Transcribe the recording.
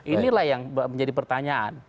inilah yang menjadi pertanyaan